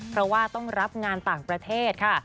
เพราะว่าต้องรับงานต่างประเทศค่ะ